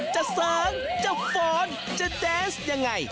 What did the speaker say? จะเสิงจะฝนจะแดนส์อย่างไร